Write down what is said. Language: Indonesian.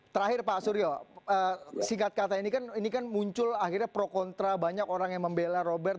terakhir pak suryo singkat kata ini kan ini kan muncul akhirnya pro kontra banyak orang yang membela robert